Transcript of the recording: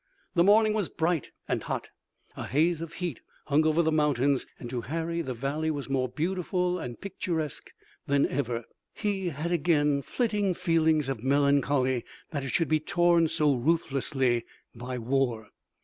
The morning was bright and hot. A haze of heat hung over the mountains, and to Harry the valley was more beautiful and picturesque than ever. He had again flitting feelings of melancholy that it should be torn so ruthlessly by war.